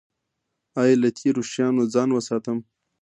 ایا له تیرو شیانو ځان وساتم؟